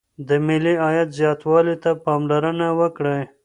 د ملي عايد زياتوالي ته پاملرنه وکړئ.